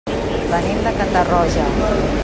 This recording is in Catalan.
Venim de Catarroja.